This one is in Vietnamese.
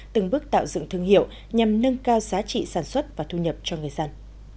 từng bước tạo dựng thương hiệu nhằm nâng cao giá trị sản xuất và thu nhập cho người dân